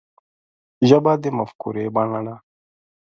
ژبه د مفکورې بڼه ده